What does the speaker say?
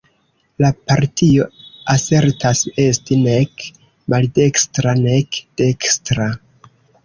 La partio asertas esti nek maldekstra nek dekstra.